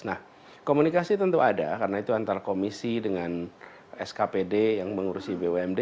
nah komunikasi tentu ada karena itu antara komisi dengan skpd yang mengurusi bumd